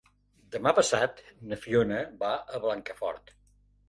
Demà passat na Fiona va a Blancafort.